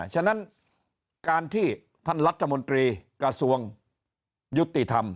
ฉะนั้นการที่ท่านรัฐมนตรีกระทรวงยุติธรรม